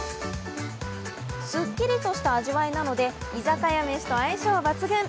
スッキリとした味わいなので居酒屋メシと相性抜群。